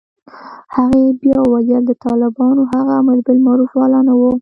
هغې بيا وويل د طالبانو هغه امربالمعروف والا نه و.